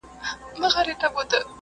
سیسټم ته اپلوډ کړي دي!.